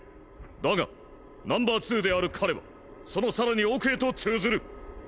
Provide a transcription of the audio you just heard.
だがＮｏ．２である彼はその更に奥へと通ずる！